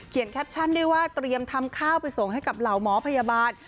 แคปชั่นด้วยว่าเตรียมทำข้าวไปส่งให้กับเหล่าหมอพยาบาล